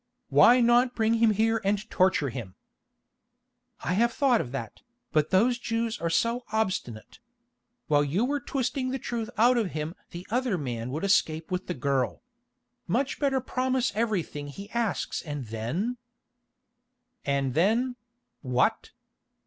"Why not bring him here and torture him?" "I have thought of that, but those Jews are so obstinate. While you were twisting the truth out of him the other man would escape with the girl. Much better promise everything he asks and then——" "And then—what?"